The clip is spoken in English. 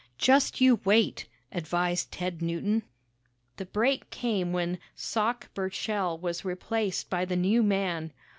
"Just you wait," advised Ted Newton. The break came when "Sock" Burchell was replaced by the new man.